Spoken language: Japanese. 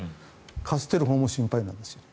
貸しているほうも心配なんですよ。